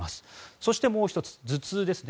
そして、もう１つ、頭痛ですね。